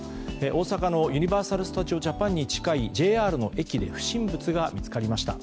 大阪のユニバーサル・スタジオ・ジャパンに近いＪＲの駅で不審物が見つかりました。